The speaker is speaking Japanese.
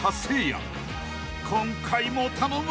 ［今回も頼む！］